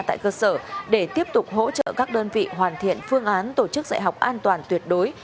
tại cơ sở để tiếp tục hỗ trợ các đơn vị hoàn thiện phương án tổ chức dạy học an toàn tuyệt đối